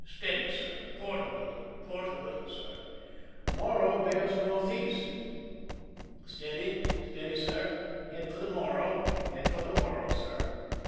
Steady, sir." " Port a little !"" Port a little, sir." Morro bears northeast. " Steady !"" Steady, sir." " Head for the Morro !"" Head for the Morro, sir."